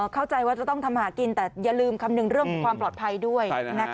เข้าใจว่าจะต้องทำหากินแต่อย่าลืมคำนึงเรื่องของความปลอดภัยด้วย